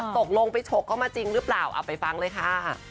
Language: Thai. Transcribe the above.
ตกลงไปฉกเข้ามาจริงหรือเปล่าเอาไปฟังเลยค่ะ